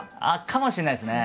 かもしれないですね。